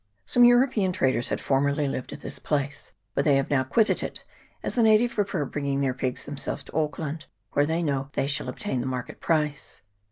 Some European traders had formerly lived at this place, but they have now quitted it, as the natives prefer bringing their pigs themselves to Auckland, where they know they shall obtain the market price.